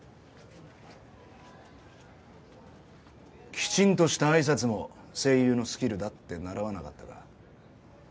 きちんとした挨拶も声優のスキルだって習わなかったか？